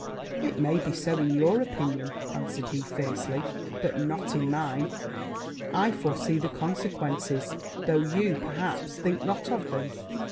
'It may be so in your opinion,' answered he fiercely; 'but not in mine. I foresee the consequences; though you, perhaps, think not of them.